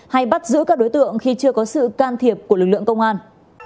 hay bắt giữ các đối tượng khi chưa có sự can thiệp của lực lượng công an